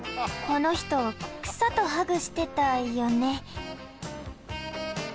このひと草とハグしてたよね。